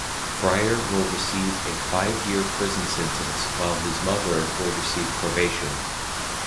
Fryar will receive a five-year prison sentence while his mother will receive probation.